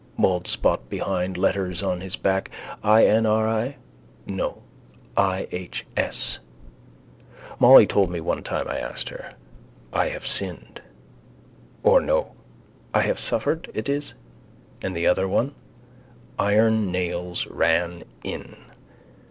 Bald spot behind. Letters on his back: I.N.R.I? No: I.H.S. Molly told me one time I asked her. I have sinned: or no: I have suffered, it is. And the other one? Iron nails ran in.